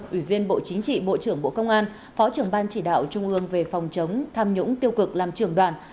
ủy viên bộ chính trị bộ trưởng bộ công an phó trưởng ban chỉ đạo trung ương về phòng chống tham nhũng tiêu cực làm trưởng đoàn